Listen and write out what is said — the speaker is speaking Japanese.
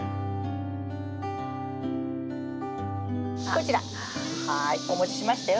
こちらはいお持ちしましたよ。